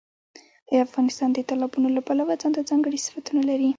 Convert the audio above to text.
افغانستان د تالابونو له پلوه ځانته ځانګړي صفتونه لري.